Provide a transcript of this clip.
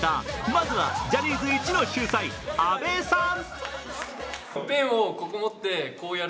まずはジャニーズイチの秀才・阿部さん。